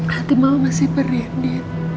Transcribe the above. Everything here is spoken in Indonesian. hati mama masih berdiri